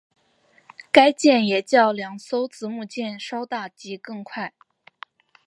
该舰也较两艘姊妹舰稍大及更快。